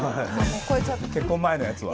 結婚前のやつは。